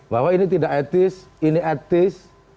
bahwa ini tidak etis ini etis